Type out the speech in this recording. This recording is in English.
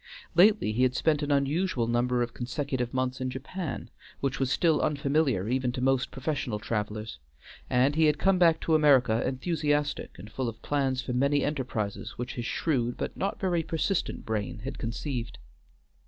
Lately he had spent an unusual number of consecutive months in Japan, which was still unfamiliar even to most professional travelers, and he had come back to America enthusiastic and full of plans for many enterprises which his shrewd, but not very persistent brain had conceived.